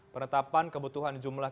penetapan kebutuhan jumlah